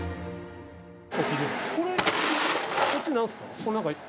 これこっち何ですか？